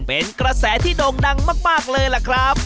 เป็นกระแสที่โด่งดังมากเลยล่ะครับ